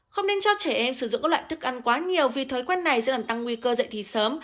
không nên cho trẻ em sử dụng các loại thức ăn quá nhiều vì thói quen này sẽ làm tăng nguy cơ dạy thì sớm